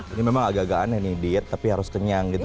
ini memang agak agak aneh nih diet tapi harus kenyang gitu